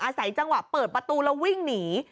อาศัยจังหวะเปิดประตูแล้ววิ่งหนี